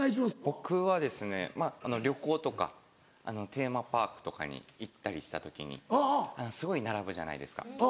僕はまぁ旅行とかテーマパークとかに行ったりした時にすごい並ぶじゃないですか。